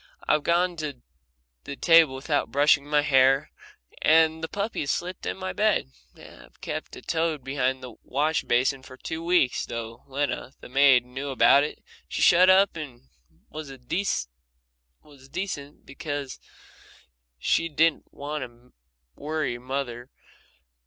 I've gone to the table without brushing my hair, and the puppy has slept in my bed, and I've kept a toad behind the wash basin for two weeks, and though Lena, the maid, knew about it, she shut up and was decent because she didn't want to worry mother.